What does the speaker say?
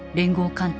艦隊